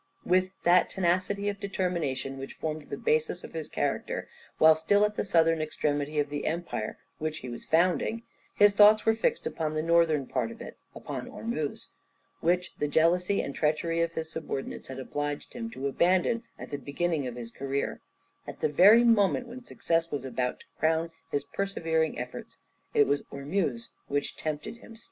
With that tenacity of determination which formed the basis of his character, while still at the southern extremity of the empire which he was founding, his thoughts were fixed upon the northern part of it, upon Ormuz, which the jealousy and treachery of his subordinates had obliged him to abandon at the beginning of his career, at the very moment when success was about to crown his persevering efforts; it was Ormuz which tempted him still.